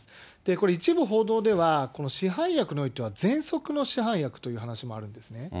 これ、一部報道では、市販薬においてはぜんそくの市販薬という話もあるんですね。